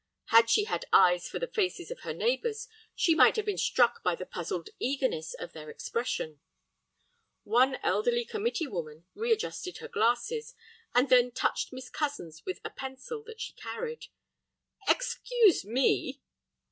Had she had eyes for the faces of her neighbors she might have been struck by the puzzled eagerness of their expression. One elderly committee woman readjusted her glasses, and then touched Miss Cozens with a pencil that she carried. "Excuse me."